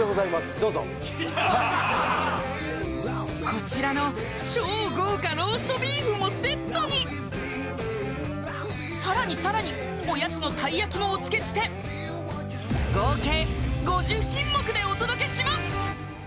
どうぞこちらの超豪華ローストビーフもセットにさらにさらにおやつのたい焼きもお付けして合計５０品目でお届けします